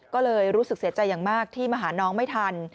ก็เลยรู้สึกเสียใจอย่างมากที่มาหาน้องไม่ทัน